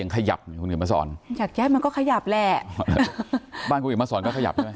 ยังขยับคุณหญิงมาสอนยักษ์ย่ายมันก็ขยับแหละบ้านคุณหญิงมาสอนก็ขยับใช่ไหม